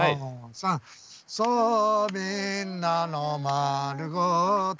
「さあみんなのまるごーと」